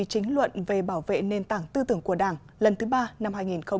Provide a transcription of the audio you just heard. chính luận về bảo vệ nền tảng tư tưởng của đảng lần thứ ba năm hai nghìn hai mươi